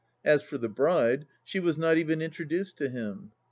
As for the bride, she was not even introduced to him.